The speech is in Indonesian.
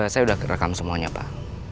saya sudah rekam semuanya pak